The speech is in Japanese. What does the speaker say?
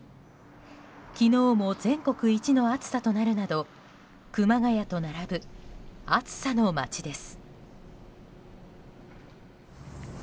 昨日も全国一の暑さとなるなど熊谷と並ぶ暑さの町です。